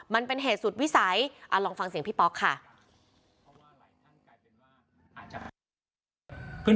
มันเป็นเหตุสุดวิสัยลองฟังเสียงพี่ป๊อกค่ะ